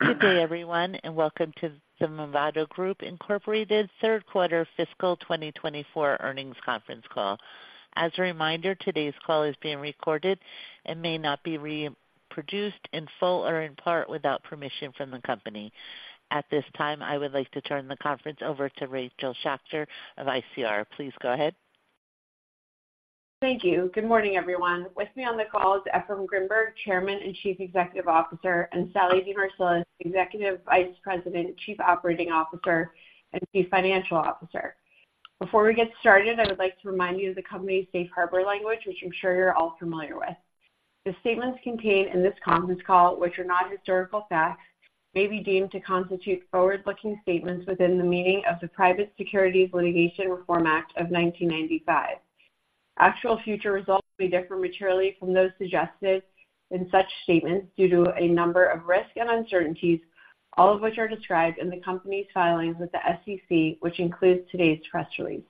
Good day, everyone, and welcome to the Movado Group Incorporated Q3 Fiscal 2024 Earnings Conference Call. As a reminder, today's call is being recorded and may not be reproduced in full or in part, without permission from the company. At this time, I would like to turn the conference over to Rachel Schacter of ICR. Please go ahead. Thank you. Good morning, everyone. With me on the call is Efraim Grinberg, Chairman and Chief Executive Officer, and Sallie DeMarsilis, Executive Vice President, Chief Operating Officer, and Chief Financial Officer. Before we get started, I would like to remind you of the company's safe harbor language, which I'm sure you're all familiar with. The statements contained in this conference call, which are not historical facts, may be deemed to constitute forward-looking statements within the meaning of the Private Securities Litigation Reform Act of 1995. Actual future results may differ materially from those suggested in such statements due to a number of risks and uncertainties, all of which are described in the company's filings with the SEC, which includes today's press release.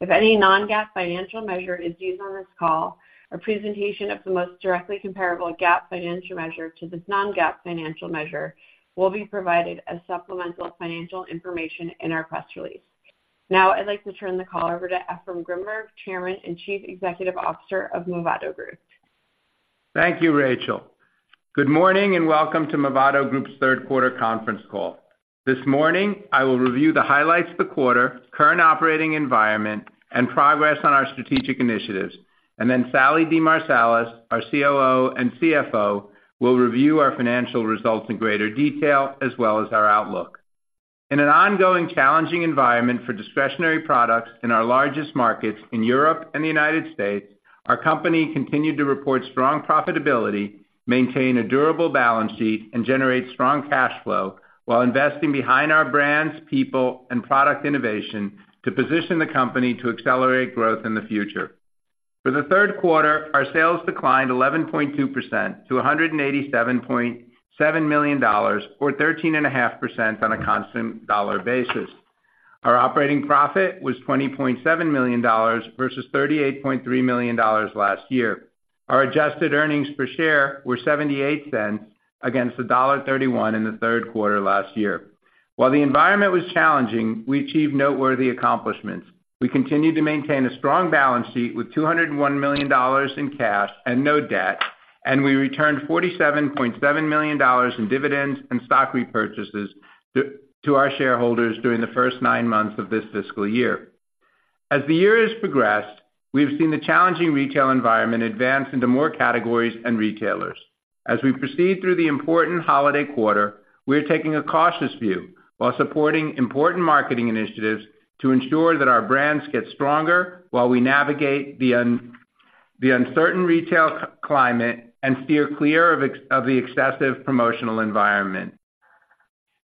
If any non-GAAP financial measure is used on this call, a presentation of the most directly comparable GAAP financial measure to this non-GAAP financial measure will be provided as supplemental financial information in our press release. Now, I'd like to turn the call over to Efraim Grinberg, Chairman and Chief Executive Officer of Movado Group. Thank you, Rachel. Good morning, and welcome to Movado Group's Q3 conference call. This morning, I will review the highlights of the quarter, current operating environment, and progress on our strategic initiatives. And then Sallie DeMarsilis, our COO and CFO, will review our financial results in greater detail, as well as our outlook. In an ongoing challenging environment for discretionary products in our largest markets in Europe and the United States, our company continued to report strong profitability, maintain a durable balance sheet, and generate strong cash flow while investing behind our brands, people, and product innovation to position the company to accelerate growth in the future. For the Q3, our sales declined 11.2% to $187.7 million, or 13.5% on a constant dollar basis. Our operating profit was $20.7 million versus $38.3 million last year. Our adjusted earnings per share were $0.78 against $1.31 in the Q3 last year. While the environment was challenging, we achieved noteworthy accomplishments. We continued to maintain a strong balance sheet with $201 million in cash and no debt, and we returned $47.7 million in dividends and stock repurchases to our shareholders during the first nine months of this fiscal year. As the year has progressed, we have seen the challenging retail environment advance into more categories and retailers. As we proceed through the important holiday quarter, we are taking a cautious view while supporting important marketing initiatives to ensure that our brands get stronger while we navigate the uncertain retail climate and steer clear of the excessive promotional environment.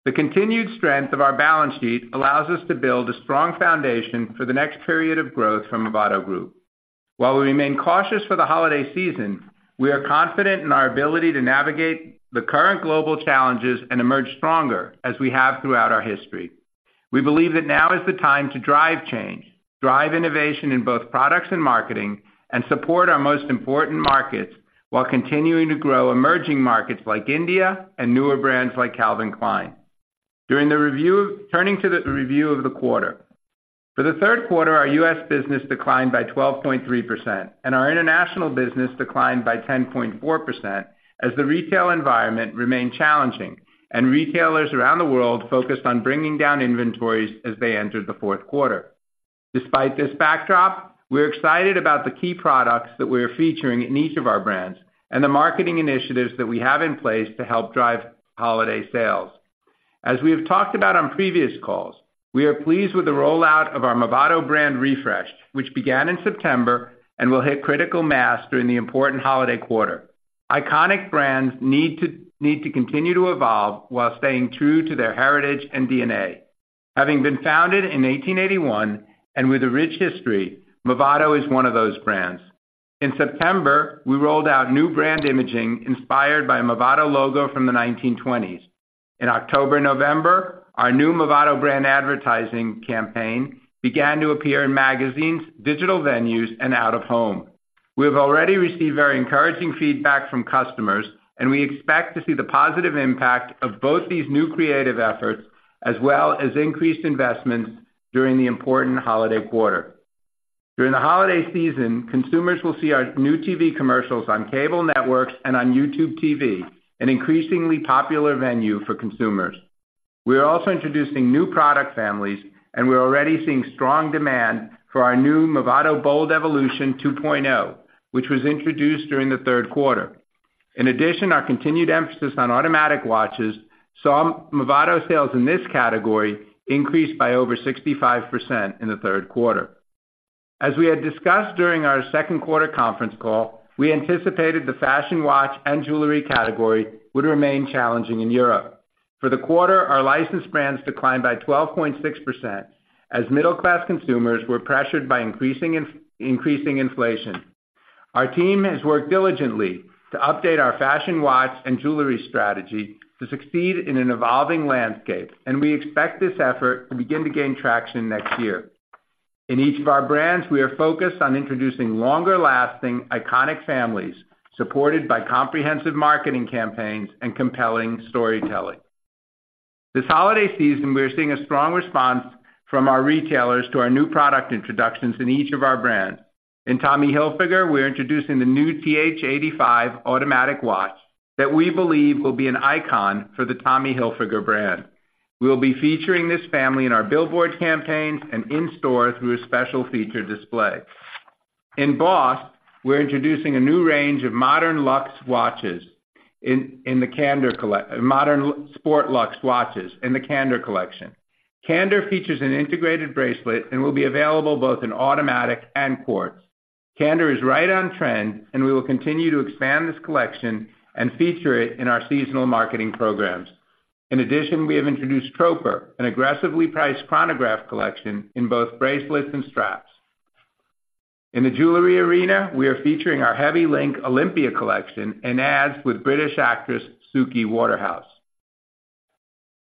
The continued strength of our balance sheet allows us to build a strong foundation for the next period of growth from Movado Group. While we remain cautious for the holiday season, we are confident in our ability to navigate the current global challenges and emerge stronger, as we have throughout our history. We believe that now is the time to drive change, drive innovation in both products and marketing, and support our most important markets, while continuing to grow emerging markets like India and newer brands like Calvin Klein. Turning to the review of the quarter. For the Q3, our U.S. business declined by 12.3%, and our international business declined by 10.4%, as the retail environment remained challenging and retailers around the world focused on bringing down inventories as they entered the Q4. Despite this backdrop, we're excited about the key products that we are featuring in each of our brands and the marketing initiatives that we have in place to help drive holiday sales. As we have talked about on previous calls, we are pleased with the rollout of our Movado brand refresh, which began in September and will hit critical mass during the important holiday quarter. Iconic brands need to continue to evolve while staying true to their heritage and DNA. Having been founded in 1881 and with a rich history, Movado is one of those brands. In September, we rolled out new brand imaging inspired by Movado logo from the 1920s. In October and November, our new Movado brand advertising campaign began to appear in magazines, digital venues, and out of home. We have already received very encouraging feedback from customers, and we expect to see the positive impact of both these new creative efforts as well as increased investments during the important holiday quarter. During the holiday season, consumers will see our new TV commercials on cable networks and on YouTube TV, an increasingly popular venue for consumers. We are also introducing new product families, and we're already seeing strong demand for our new Movado BOLD Evolution 2.0, which was introduced during the Q3. In addition, our continued emphasis on automatic watches saw Movado sales in this category increase by over 65% in the Q3. As we had discussed during our Q2 conference call, we anticipated the fashion watch and jewelry category would remain challenging in Europe. For the quarter, our licensed brands declined by 12.6%, as middle-class consumers were pressured by increasing inflation. Our team has worked diligently to update our fashion watch and jewelry strategy to succeed in an evolving landscape, and we expect this effort to begin to gain traction next year.... In each of our brands, we are focused on introducing longer-lasting, iconic families, supported by comprehensive marketing campaigns and compelling storytelling. This holiday season, we are seeing a strong response from our retailers to our new product introductions in each of our brands. In Tommy Hilfiger, we are introducing the new TH85 automatic watch that we believe will be an icon for the Tommy Hilfiger brand. We will be featuring this family in our billboard campaigns and in-store through a special feature display. In BOSS, we're introducing a new range of modern luxe watches in the Candor collection—modern sport luxe watches in the Candor collection. Candor features an integrated bracelet and will be available both in automatic and quartz. Candor is right on trend, and we will continue to expand this collection and feature it in our seasonal marketing programs. In addition, we have introduced Troper, an aggressively priced chronograph collection in both bracelets and straps. In the jewelry arena, we are featuring our heavy link Olympia collection in ads with British actress Suki Waterhouse.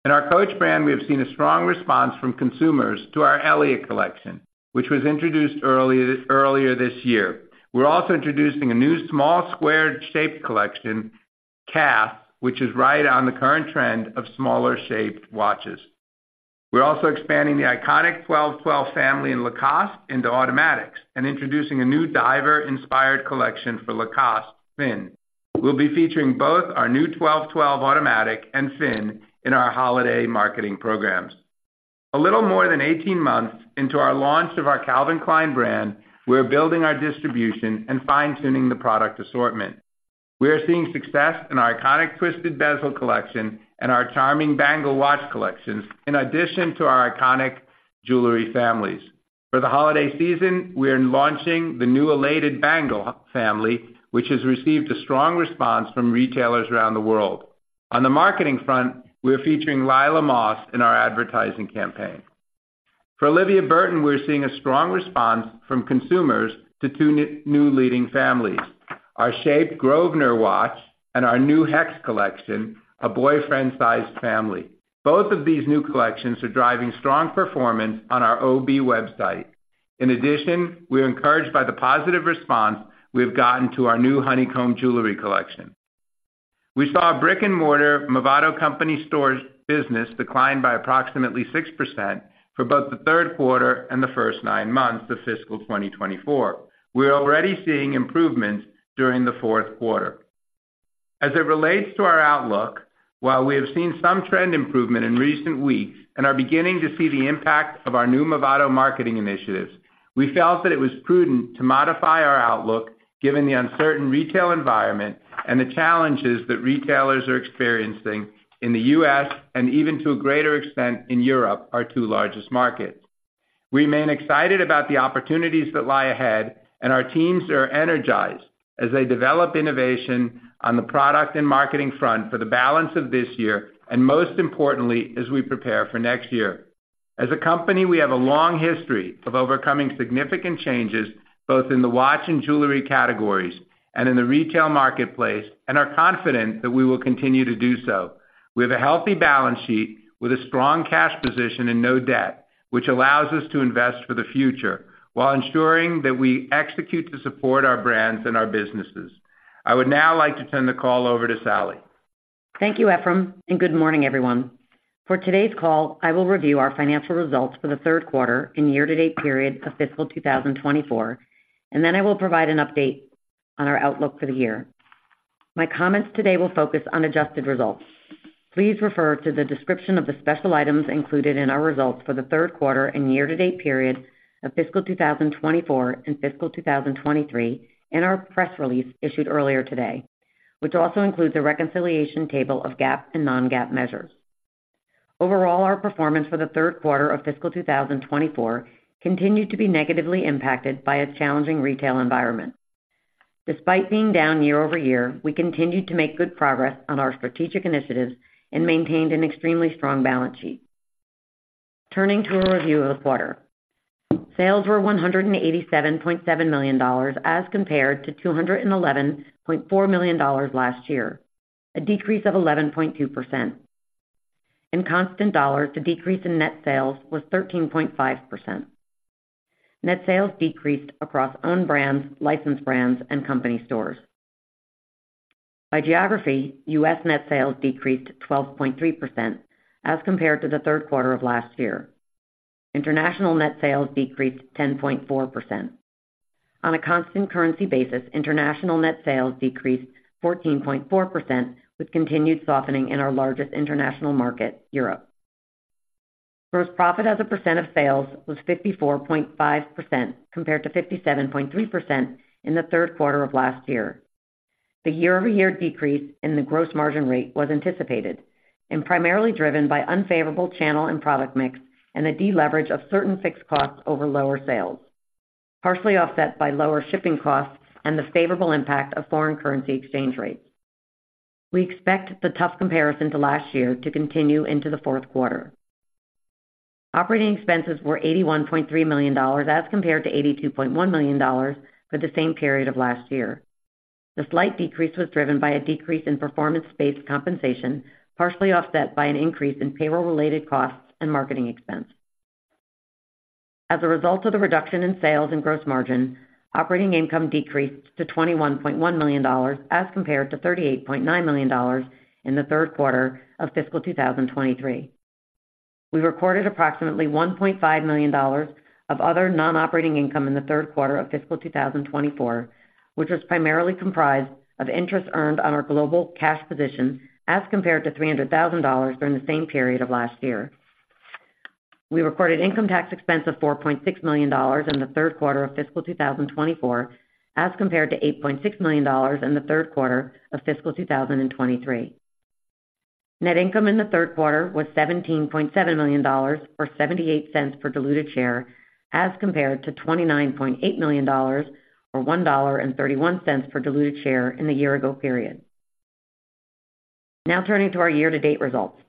In our Coach brand, we have seen a strong response from consumers to our Elliot collection, which was introduced earlier this year. We're also introducing a new small, square-shaped collection, Calvin, which is right on the current trend of smaller-shaped watches. We're also expanding the iconic 12.12 family in Lacoste into automatics and introducing a new diver-inspired collection for Lacoste, Finn. We'll be featuring both our new 12.12 automatic and Finn in our holiday marketing programs. A little more than 18 months into our launch of our Calvin Klein brand, we are building our distribution and fine-tuning the product assortment. We are seeing success in our iconic Twisted Bezel collection and our charming bangle watch collections, in addition to our iconic jewelry families. For the holiday season, we are launching the new Elated Bangle family, which has received a strong response from retailers around the world. On the marketing front, we are featuring Lila Moss in our advertising campaign. For Olivia Burton, we're seeing a strong response from consumers to two new leading families: our shaped Grosvenor watch and our new Hex collection, a boyfriend-sized family. Both of these new collections are driving strong performance on our OB website. In addition, we are encouraged by the positive response we've gotten to our new Honeycomb jewelry collection. We saw a brick-and-mortar Movado company stores business decline by approximately 6% for both the Q3 and the first nine months of fiscal 2024. We are already seeing improvements during the Q4. As it relates to our outlook, while we have seen some trend improvement in recent weeks and are beginning to see the impact of our new Movado marketing initiatives, we felt that it was prudent to modify our outlook, given the uncertain retail environment and the challenges that retailers are experiencing in the U.S. and even to a greater extent in Europe, our two largest markets. We remain excited about the opportunities that lie ahead, and our teams are energized as they develop innovation on the product and marketing front for the balance of this year, and most importantly, as we prepare for next year. As a company, we have a long history of overcoming significant changes, both in the watch and jewelry categories and in the retail marketplace, and are confident that we will continue to do so. We have a healthy balance sheet with a strong cash position and no debt, which allows us to invest for the future while ensuring that we execute to support our brands and our businesses. I would now like to turn the call over to Sallie. Thank you, Efraim, and good morning, everyone. For today's call, I will review our financial results for the Q3 and year-to-date period of fiscal 2024, and then I will provide an update on our outlook for the year. My comments today will focus on adjusted results. Please refer to the description of the special items included in our results for the Q3 and year-to-date period of fiscal 2024 and fiscal 2023 in our press release issued earlier today, which also includes a reconciliation table of GAAP and non-GAAP measures. Overall, our performance for the Q3 of fiscal 2024 continued to be negatively impacted by a challenging retail environment. Despite being down year-over-year, we continued to make good progress on our strategic initiatives and maintained an extremely strong balance sheet. Turning to a review of the quarter. Sales were $187.7 million, as compared to $211.4 million last year, a decrease of 11.2%. In constant dollars, the decrease in net sales was 13.5%. Net sales decreased across own brands, licensed brands, and company stores. By geography, U.S. net sales decreased 12.3% as compared to the Q3 of last year. International net sales decreased 10.4%. On a constant currency basis, international net sales decreased 14.4%, with continued softening in our largest international market, Europe. Gross profit as a percent of sales was 54.5%, compared to 57.3% in the Q3 of last year. The year-over-year decrease in the gross margin rate was anticipated and primarily driven by unfavorable channel and product mix and a deleverage of certain fixed costs over lower sales, partially offset by lower shipping costs and the favorable impact of foreign currency exchange rates. We expect the tough comparison to last year to continue into the Q4. Operating expenses were $81.3 million, as compared to $82.1 million for the same period of last year....The slight decrease was driven by a decrease in performance-based compensation, partially offset by an increase in payroll-related costs and marketing expense. As a result of the reduction in sales and gross margin, operating income decreased to $21.1 million, as compared to $38.9 million in the Q3 of fiscal 2023. We recorded approximately $1.5 million of other non-operating income in the Q3 of fiscal 2024, which was primarily comprised of interest earned on our global cash position, as compared to $300,000 during the same period of last year. We recorded income tax expense of $4.6 million in the Q3 of fiscal 2024, as compared to $8.6 million in the Q3 of fiscal 2023. Net income in the Q3 was $17.7 million, or $0.78 per diluted share, as compared to $29.8 million, or $1.31 per diluted share in the year ago period. Now turning to our year-to-date results.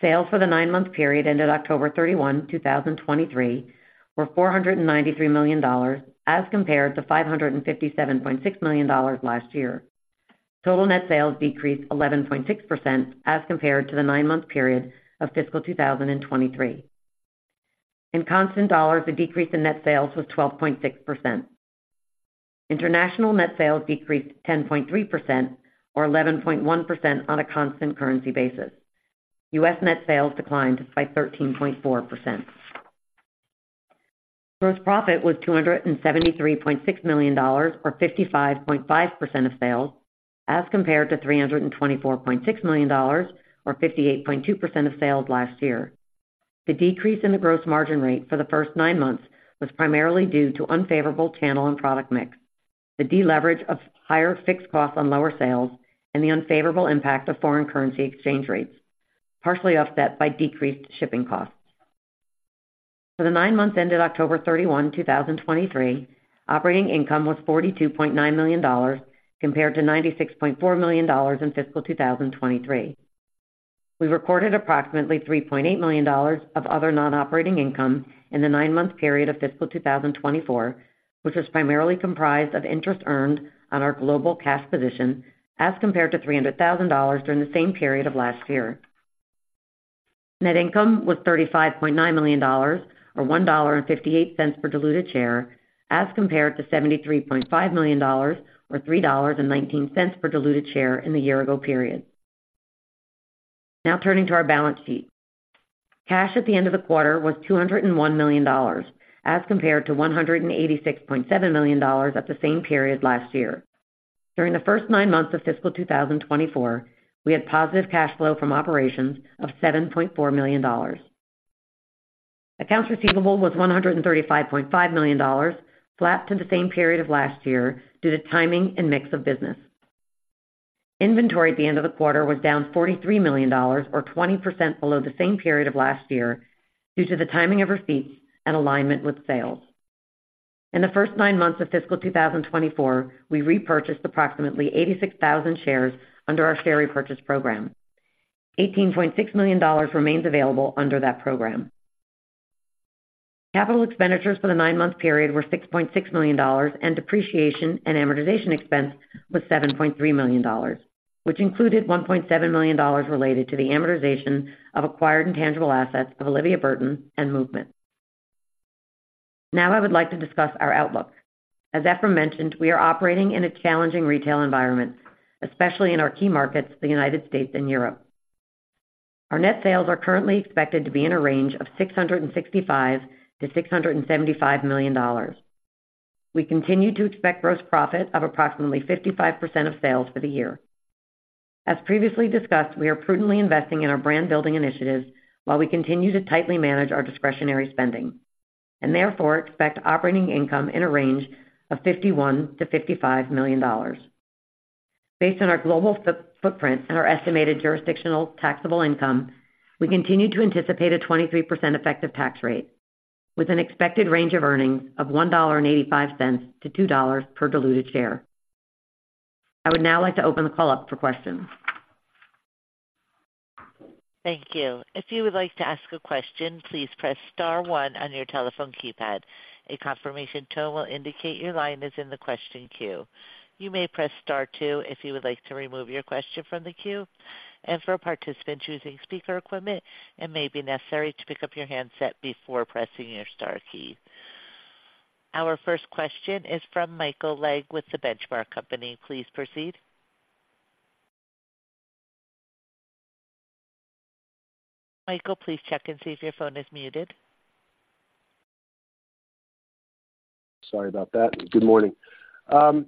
Sales for the nine-month period ended October 31, 2023, were $493 million, as compared to $557.6 million last year. Total net sales decreased 11.6% as compared to the nine-month period of fiscal 2023. In constant dollars, the decrease in net sales was 12.6%. International net sales decreased 10.3%, or 11.1% on a constant currency basis. U.S. net sales declined by 13.4%. Gross profit was $273.6 million, or 55.5% of sales, as compared to $324.6 million or 58.2% of sales last year. The decrease in the gross margin rate for the first nine months was primarily due to unfavorable channel and product mix, the deleverage of higher fixed costs on lower sales, and the unfavorable impact of foreign currency exchange rates, partially offset by decreased shipping costs. For the nine months ended October 31, 2023, operating income was $42.9 million, compared to $96.4 million in fiscal 2023. We recorded approximately $3.8 million of other non-operating income in the nine-month period of fiscal 2024, which was primarily comprised of interest earned on our global cash position, as compared to $300,000 during the same period of last year. Net income was $35.9 million, or $1.58 per diluted share, as compared to $73.5 million or $3.19 per diluted share in the year ago period. Now turning to our balance sheet. Cash at the end of the quarter was $201 million, as compared to $186.7 million at the same period last year. During the first nine months of fiscal 2024, we had positive cash flow from operations of $7.4 million. Accounts receivable was $135.5 million, flat to the same period of last year due to timing and mix of business. Inventory at the end of the quarter was down $43 million, or 20% below the same period of last year, due to the timing of receipts and alignment with sales. In the first nine months of fiscal 2024, we repurchased approximately 86,000 shares under our share repurchase program. $18.6 million remains available under that program. Capital expenditures for the nine-month period were $6.6 million, and depreciation and amortization expense was $7.3 million, which included $1.7 million related to the amortization of acquired intangible assets of Olivia Burton and MVMT. Now I would like to discuss our outlook. As Efraim mentioned, we are operating in a challenging retail environment, especially in our key markets, the United States and Europe. Our net sales are currently expected to be in a range of $665 million-$675 million. We continue to expect gross profit of approximately 55% of sales for the year. As previously discussed, we are prudently investing in our brand building initiatives while we continue to tightly manage our discretionary spending, and therefore expect operating income in a range of $51 million-$55 million. Based on our global footprint and our estimated jurisdictional taxable income, we continue to anticipate a 23% effective tax rate, with an expected range of earnings of $1.85-$2 per diluted share. I would now like to open the call up for questions. Thank you. If you would like to ask a question, please press star one on your telephone keypad. A confirmation tone will indicate your line is in the question queue. You may press star two if you would like to remove your question from the queue. For a participant choosing speaker equipment, it may be necessary to pick up your handset before pressing your star key. Our first question is from Michael Legg with The Benchmark Company. Please proceed. Michael, please check and see if your phone is muted. Sorry about that. Good morning. A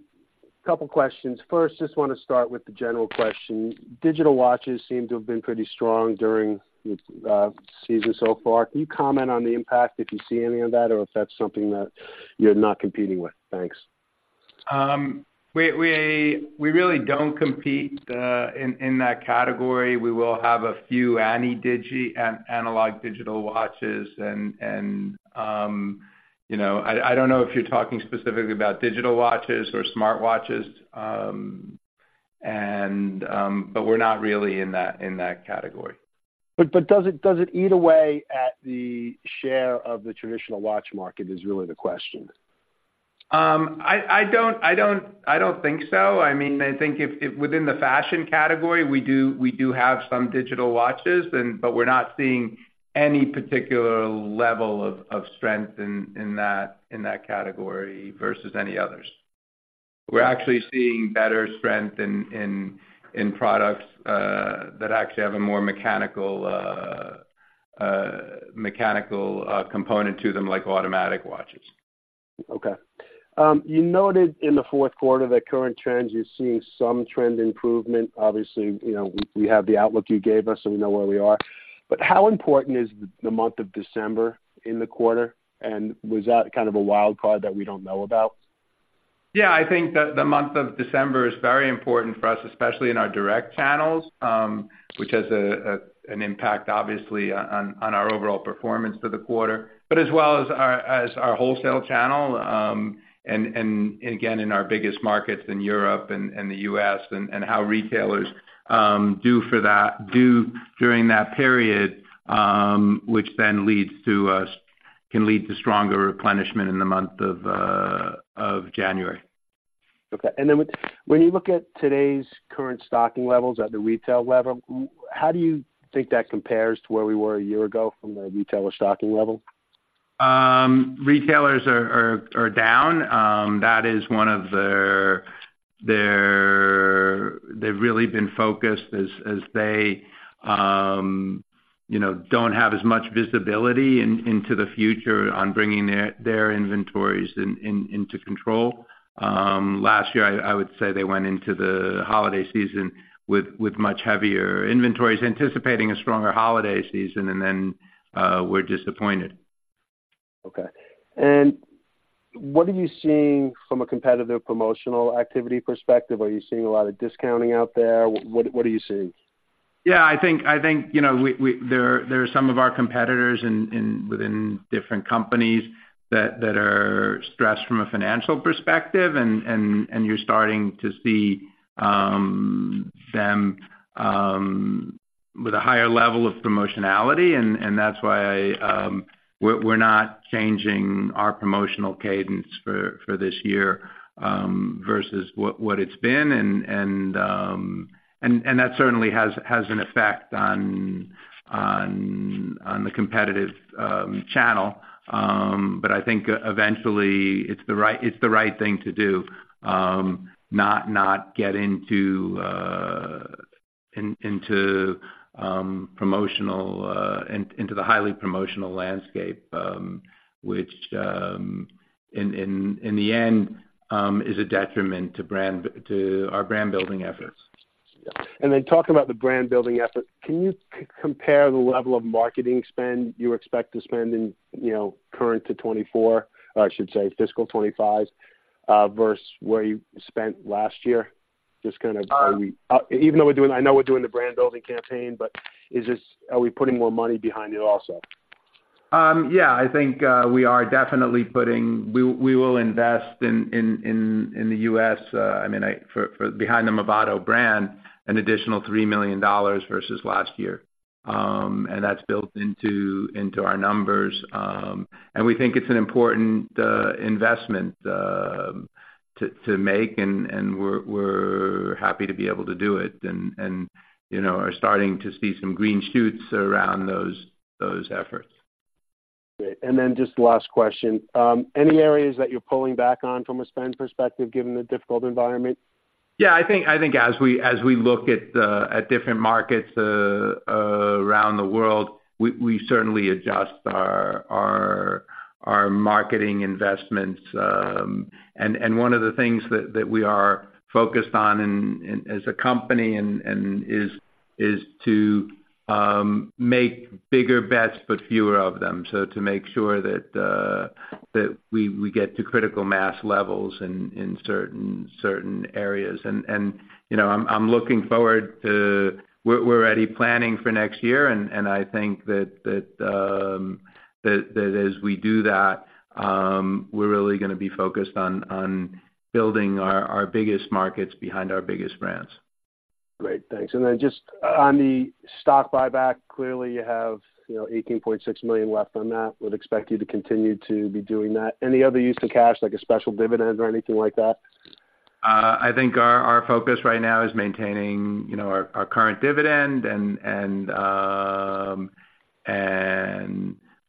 couple questions. First, just want to start with the general question. Digital watches seem to have been pretty strong during the season so far. Can you comment on the impact, if you see any of that, or if that's something that you're not competing with? Thanks. We really don't compete in that category. We will have a few analog digital watches. And, you know, I don't know if you're talking specifically about digital watches or smartwatches.... And, but we're not really in that, in that category. But does it eat away at the share of the traditional watch market, is really the question? I don't think so. I mean, I think if within the fashion category, we do have some digital watches, but we're not seeing any particular level of strength in that category versus any others. We're actually seeing better strength in products that actually have a more mechanical component to them, like automatic watches. Okay. You noted in the Q4 that current trends you're seeing some trend improvement. Obviously, you know, we, we have the outlook you gave us, so we know where we are. But how important is the month of December in the quarter, and was that kind of a wild card that we don't know about? Yeah, I think that the month of December is very important for us, especially in our direct channels, which has an impact, obviously, on our overall performance for the quarter. But as well as our wholesale channel, and again, in our biggest markets in Europe and the U.S., and how retailers do during that period, which then can lead to stronger replenishment in the month of January. Okay. And then when you look at today's current stocking levels at the retail level, how do you think that compares to where we were a year ago from the retailer stocking level? Retailers are down. That is one of their... They've really been focused as they, you know, don't have as much visibility into the future on bringing their inventories into control. Last year, I would say they went into the holiday season with much heavier inventories, anticipating a stronger holiday season, and then were disappointed. Okay. What are you seeing from a competitive promotional activity perspective? Are you seeing a lot of discounting out there? What, what are you seeing? Yeah, I think, you know, there are some of our competitors within different companies that are stressed from a financial perspective, and you're starting to see them with a higher level of promotionality, and that's why we're not changing our promotional cadence for this year versus what it's been. And that certainly has an effect on the competitive channel. But I think eventually it's the right thing to do, not get into the highly promotional landscape, which in the end is a detriment to our brand-building efforts. Yeah. And then talk about the brand-building effort. Can you compare the level of marketing spend you expect to spend in, you know, current to 2024, or I should say fiscal 2025, versus where you spent last year? Just kind of- Uh- Even though we're doing... I know we're doing the brand building campaign, but is this, are we putting more money behind it also? Yeah, I think we will invest in the U.S., I mean, for behind the Movado brand, an additional $3 million versus last year. And that's built into our numbers, and we think it's an important investment to make, and we're happy to be able to do it, and you know, are starting to see some green shoots around those efforts. Great. And then just last question, any areas that you're pulling back on from a spend perspective, given the difficult environment? Yeah, I think as we look at different markets around the world, we certainly adjust our marketing investments. And one of the things that we are focused on as a company is to make bigger bets, but fewer of them. So to make sure that we get to critical mass levels in certain areas. And you know, I'm looking forward to... We're already planning for next year, and I think that as we do that, we're really gonna be focused on building our biggest markets behind our biggest brands. Great, thanks. Then just on the stock buyback, clearly, you have, you know, $18.6 million left on that. Would expect you to continue to be doing that. Any other use of cash, like a special dividend or anything like that? I think our focus right now is maintaining, you know, our current dividend and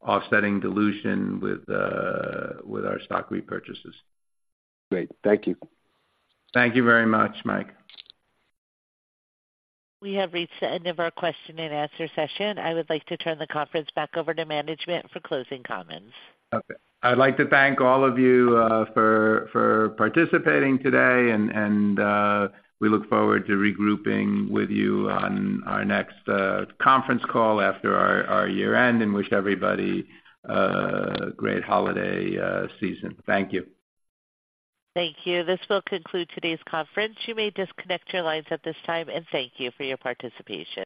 offsetting dilution with our stock repurchases. Great. Thank you. Thank you very much, Mike. We have reached the end of our question and answer session. I would like to turn the conference back over to management for closing comments. Okay. I'd like to thank all of you for participating today, and we look forward to regrouping with you on our next conference call after our year-end, and wish everybody a great holiday season. Thank you. Thank you. This will conclude today's conference. You may disconnect your lines at this time, and thank you for your participation.